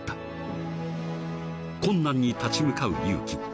［困難に立ち向かう勇気］